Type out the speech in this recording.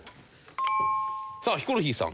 さあヒコロヒーさん。